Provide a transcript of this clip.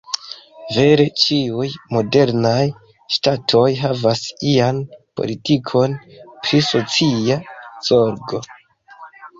Vere ĉiuj modernaj ŝtatoj havas ian politikon pri socia zorgo.